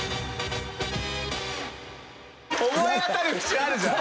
思い当たる節あるじゃん！